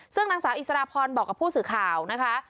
ซึ่งนางสาวอิสรพรบอกกับผู้สื่อข่าวนะคะ